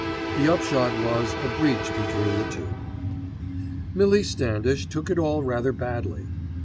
The upshot was a breach between the two. Millie Standish took it all rather badly.